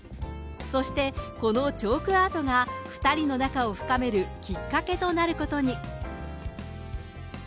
そして、このチョークアートが２人の仲を深めるきっかけとなることに。